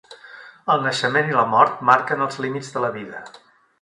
El naixement i la mort marquen els límits de la vida.